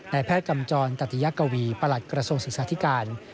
ในแพทย์กำจรตัฐยกวีปรัศกรสวงศ์ศึกษาทิการ